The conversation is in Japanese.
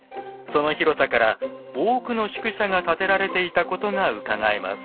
その広さから多くの宿舎が建てられていたことがうかがえます。